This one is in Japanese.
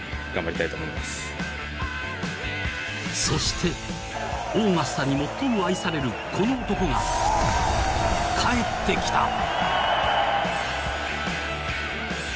そして、オーガスタに最も愛されるこの男が帰ってきた。